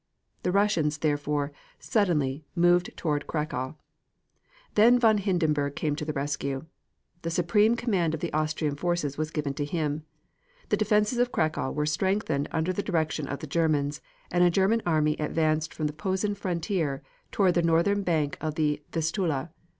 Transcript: The Russians, therefore, suddenly, moved toward Cracow. Then von Hindenburg came to the rescue. The supreme command of the Austrian forces was given to him. The defenses of Cracow were strengthened under the direction of the Germans, and a German army advanced from the Posen frontier toward the northern bank of the Vistula.